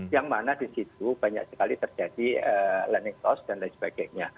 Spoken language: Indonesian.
yang mana di situ banyak sekali terjadi learning cost dan lain sebagainya